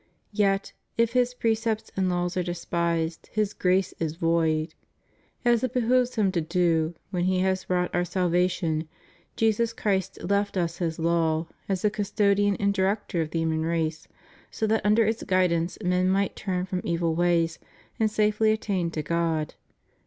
Yet, if His precepts and laws are despised, His grace is void. As it behooved him to do, when He had wrought our salva tion, Jesus Christ left us His law, as the custodian and director of the human race, so that under its guidance men might turn from evil ways and safely attain to God.